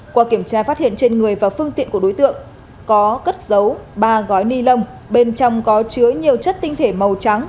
qua kiểm tra phát hiện trên người và phương tiện của đối tượng có cất dấu ba gói ni lông bên trong có chứa nhiều chất tinh thể màu trắng